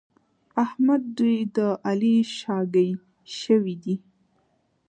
احمد دوی د علي شاګی شوي دي.